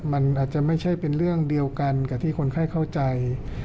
มันอาจจะไม่ใช่เป็นเรื่องเดียวกันกับที่คนไข้เข้าใจ